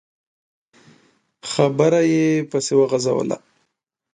خبره يې پسې وغځوله.